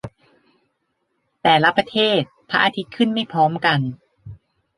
แต่ละประเทศ พระอาทิตย์ขึ้นไม่พร้อมกัน